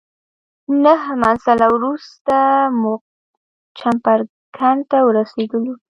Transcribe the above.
نهه منزله وروسته موږ چمرکنډ ته ورسېدلو.